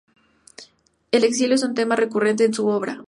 El exilio es un tema recurrente en su obra.